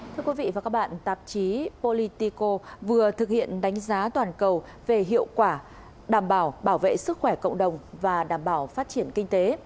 thưa quý vị và các bạn tạp chí politico vừa thực hiện đánh giá toàn cầu về hiệu quả đảm bảo bảo vệ sức khỏe cộng đồng và đảm bảo phát triển kinh tế